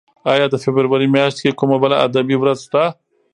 ایا د فبرورۍ میاشت کې کومه بله ادبي ورځ شته؟